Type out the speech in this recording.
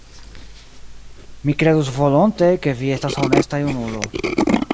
Mi kredus volonte, ke vi estas honesta junulo.